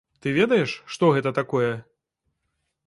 Ты ведаеш, што гэта такое?